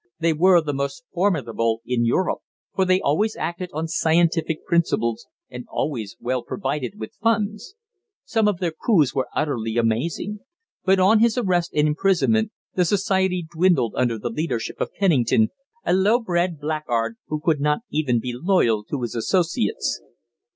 They were the most formidable in Europe, for they always acted on scientific principles, and always well provided with funds. Some of their coups were utterly amazing. But on his arrest and imprisonment the society dwindled under the leadership of Pennington, a low bred blackguard, who could not even be loyal to his associates."